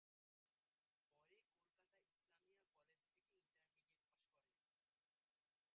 পরে কলকাতা ইসলামিয়া কলেজ থেকে intermediate pass করেন।